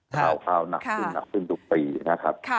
คร่าวหนักขึ้นหนักขึ้นทุกปีนะครับ